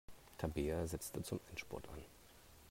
Tabea setzte zum Endspurt an.